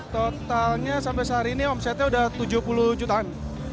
totalnya sampai saat ini omsetnya sudah tujuh puluh jutaan